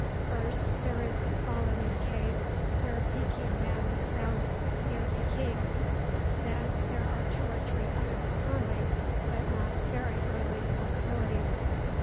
First, there is the fallen in cave where Peking man was found, near Peking. Then there are two or three other early, but not very early, possibilities.